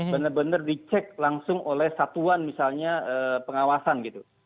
benar benar dicek langsung oleh satuan misalnya pengawasan gitu